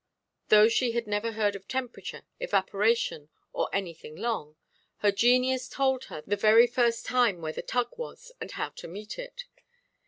Though she had never heard of temperature, evaporation, or anything long, her genius told her the very first time where the tug was and how to meet it.